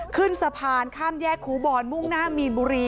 ขึ้นสะพานข้ามแยกครูบอลมุ่งหน้ามีนบุรี